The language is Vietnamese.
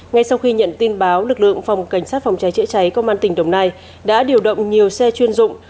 ngay sau khi nhận tin báo lực lượng phòng cảnh sát phòng cháy chữa cháy công an tỉnh đồng nai đã điều động nhiều xe chuyên dụng